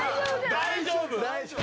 大丈夫。